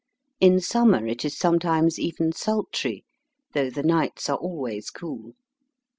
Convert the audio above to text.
In summer it is sometimes even sultry, though the nights are always cool.